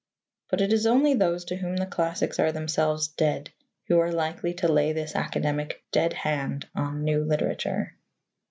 But it is only those to whom the classics are themselves dead who are likely to lay this academic dead hand on new literature.